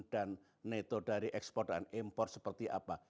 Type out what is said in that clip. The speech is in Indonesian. dan neto dari ekspor dan impor seperti apa